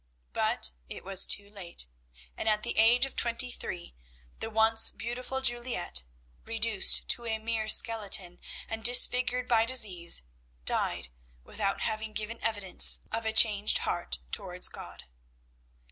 But it was too late, and at the age of twenty three the once beautiful Juliette, reduced to a mere skeleton and disfigured by disease, died without having given evidence of a changed heart towards God.